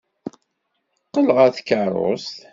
Qqel ɣer tkeṛṛust.